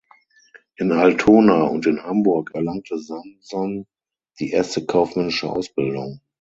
In Altona und in Hamburg erlangte Samson die erste kaufmännische Ausbildung.